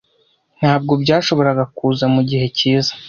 Ntabwo byashoboraga kuza mugihe cyiza